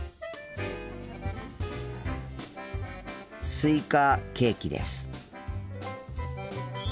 スイカケーキです。